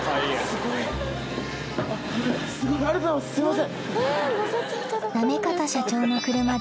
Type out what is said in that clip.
ありがとうございますすいません。